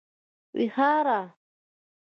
ويهاره